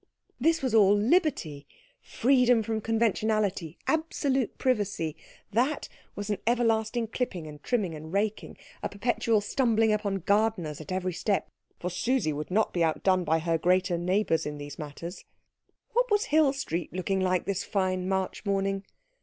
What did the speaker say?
This was all liberty, freedom from conventionality, absolute privacy; that was an everlasting clipping, and trimming, and raking, a perpetual stumbling upon gardeners at every step, for Susie would not be outdone by her greater neighbours in these matters. What was Hill Street looking like this fine March morning?